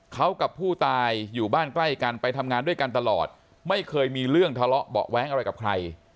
เขากับผู้ตายอยู่บ้านใกล้กันไปทำงานด้วยกันตลอดไม่เคยมีเรื่องทะเลาะเบาะแว้งอะไรกับใคร